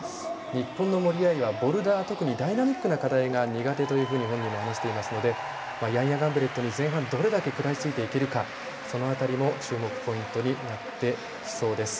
日本の森秋彩はボルダー、特にダイナミックな課題が苦手というふうに本人も話していますのでヤンヤ・ガンブレットに前半どれだけ食らいついていけるかその辺りも注目ポイントになっていきそうです。